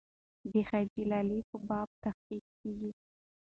د حاجي لالي په باب تحقیق کېږي.